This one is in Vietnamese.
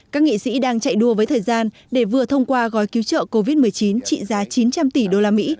các nghị sĩ đang chạy đua với thời gian để vừa thông qua gói cứu trợ covid một mươi chín trị giá chín trăm linh tỷ usd